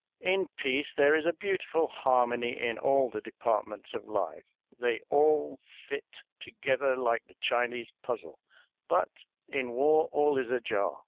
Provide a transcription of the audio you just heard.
In peace there is a beautiful harmony in all the departments of life they all fit together like the Chinese puzzle; but in war all is ajar.